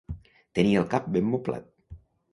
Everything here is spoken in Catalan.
Tenir el cap ben moblat.